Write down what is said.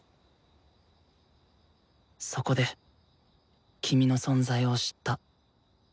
そこで君の存在を知った。